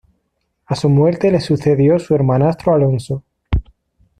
A su muerte le sucedió su hermanastro Alonso.